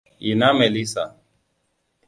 Ina Melissa?